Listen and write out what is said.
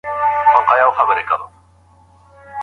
خپله کیسه